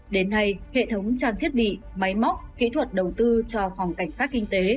đến nay hệ thống trang thiết bị máy móc kỹ thuật đầu tư cho phòng cảnh sát kinh tế